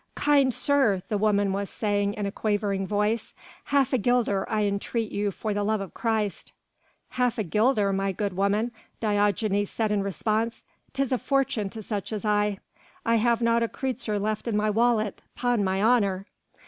"Kind sir," the woman was saying in a quavering voice, "half a guilder I entreat you for the love of Christ." "Half a guilder, my good woman," Diogenes said in response, "'Tis a fortune to such as I. I have not a kreutzer left in my wallet, 'pon my honour!"